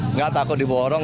nggak takut diborong